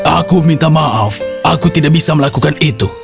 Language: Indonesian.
aku minta maaf aku tidak bisa melakukan itu